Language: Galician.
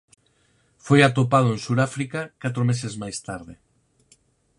Foi atopado en Suráfrica catro meses máis tarde.